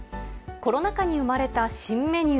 コロナ禍に生まれた新メニュー。